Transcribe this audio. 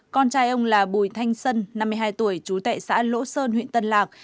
con trai ông là bùi thanh sơn năm mươi hai tuổi chú tệ xã lỗ sơn huyện tân lạc